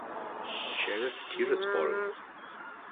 Sheriff Tiraspol